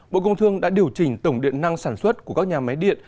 bộ công thương đã điều chỉnh tổng điện năng sản xuất của các nhà máy điện